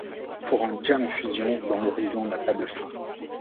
Pour un jam-fusion dont l’horizon n’a pas de fin.